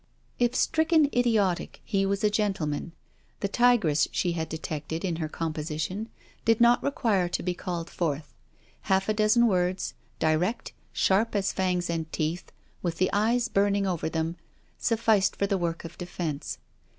If stricken idiotic, he was a gentleman; the tigress she had detected in her composition did not require to be called forth; half a dozen words, direct, sharp as fangs and teeth, with the eyes burning over them, sufficed for the work of defence.